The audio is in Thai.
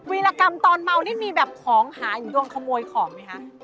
วีรกรรมตอนเมานี่มีแบบของหายอยู่ตรงขโมยของมั้ยคะ